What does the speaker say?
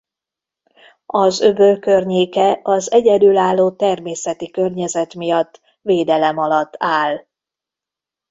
Az öböl környéke az egyedülálló természeti környezet miatt védelem alatt áll.